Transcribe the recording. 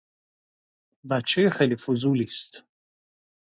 بچۀ خیلی فضولیست